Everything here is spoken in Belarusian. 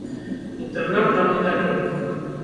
Інтэрнат нам не далі.